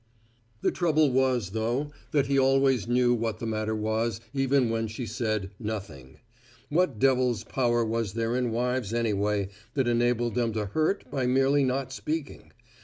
The trouble was, though, that he always knew what the matter was, even when she said "Nothing." What devil's power was there in wives, anyway, that enabled them to hurt by merely not speaking?